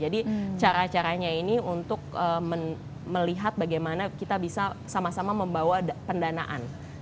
jadi cara caranya ini untuk melihat bagaimana kita bisa sama sama membawa pendanaan